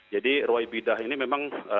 jadi roy bidah ini memang